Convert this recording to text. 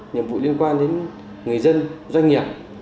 nhiệm vụ liên quan đến người dân doanh nghiệp